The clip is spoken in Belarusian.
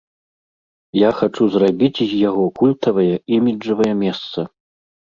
Я хачу зрабіць з яго культавае, іміджавае месца.